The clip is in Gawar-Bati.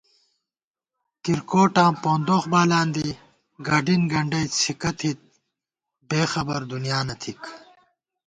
کِرکوٹاں پوندوخ بالان دی، گڈِن گنڈئی څِھکہ تھِت بېخبردُنیانہ تھِک